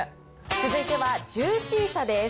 続いてはジューシーさです。